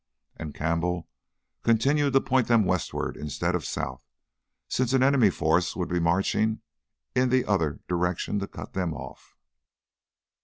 And Campbell continued to point them westward instead of south, since any enemy force would be marching in the other direction to cut them off.